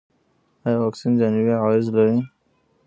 ایا واکسین جانبي عوارض لري؟